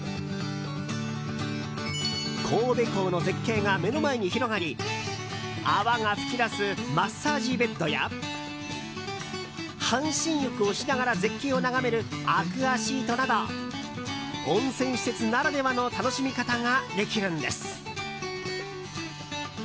神戸港の絶景が目の前に広がり泡が噴き出すマッサージベッドや半身浴をしながら絶景を眺めるアクアシートなど温泉施設ならではの楽しみ方ができるんです。